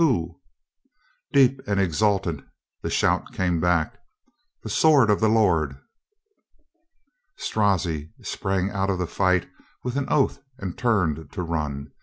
Who?" Deep and exultant the shout came back: "The sword of the Lord!" Strozzi sprang out of the fight with an oath and turned to run.